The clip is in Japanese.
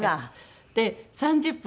で３０分